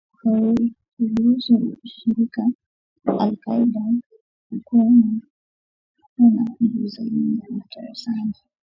kwa kuruhusu ushirika wa alQaida kukua na kuwa na nguvu zaidi na hatari sana